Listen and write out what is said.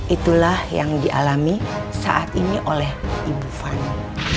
itulah yang dialami saat ini oleh ibu fani